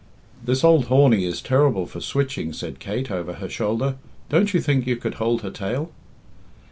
"This old Horney is terrible for switching," said Kate, over her shoulder. "Don't you think you could hold her tail?"